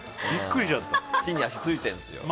地に足ついてるんですよ。